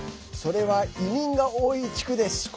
それは、移民が多い地区です。